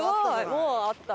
もうあった！